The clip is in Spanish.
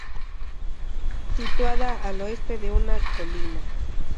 Situada al oeste de una colina.